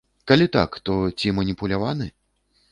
Калі так, то ці маніпуляваны?